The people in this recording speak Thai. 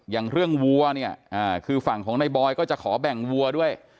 อย่างเรื่องวัวเนี่ยคือฝั่งของในบอยก็จะขอแบ่งวัวด้วย